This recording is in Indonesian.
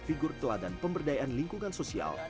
figur teladan pemberdayaan lingkungan sosial